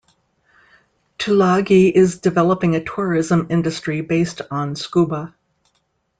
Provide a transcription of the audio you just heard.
Tulagi is developing a tourism industry based on scuba.